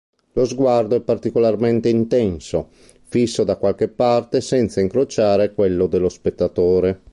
Lo sguardo è particolarmente intenso, fisso da qualche parte senza incrociare quello dello spettatore.